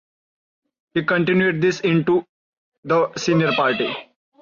He continued this into the senior party.